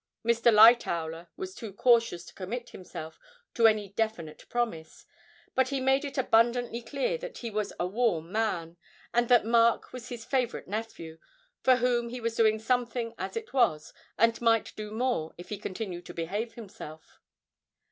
Mr. Lightowler was too cautious to commit himself to any definite promise, but he made it abundantly clear that he was a 'warm' man, and that Mark was his favourite nephew, for whom he was doing something as it was, and might do more if he continued to behave himself.